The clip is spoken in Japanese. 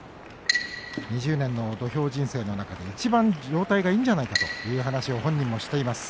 ２０年の土俵人生の中でいちばん状態がいいんじゃないでしょうかと本人も話しています。